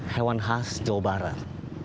hewan khas jawa barat